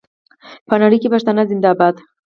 په نړۍ کې پښتانه زنده باد.